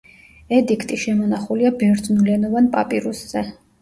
ედიქტი შემონახულია ბერძნულენოვან პაპირუსზე.